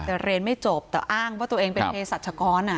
แต่เรียนไม่จบแต่อ้างว่าตัวเองเป็นเพศรัชกร